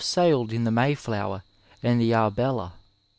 sailed in the MayHower and the ArbdLa.